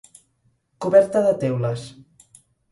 Coberta de teules.